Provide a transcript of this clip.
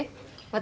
私